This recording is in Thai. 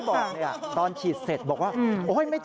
ขอบคุณพี่ไทยที่ขอบคุณพี่ไทย